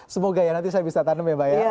semoga ya nanti saya bisa tandem ya mbak ya